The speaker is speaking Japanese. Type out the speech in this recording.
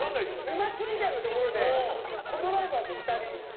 沼地みたいなところでコ・ドライバーと２人。